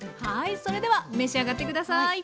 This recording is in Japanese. はいそれでは召し上がって下さい！